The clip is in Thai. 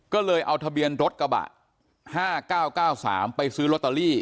ก็เลยเอาทะเบียนรถกระบะ๕๙๙๓ไปซื้อลอตเตอรี่